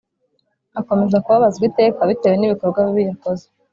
akomeza kubabazwa iteka bitewe n’ibikorwa bibi yakoze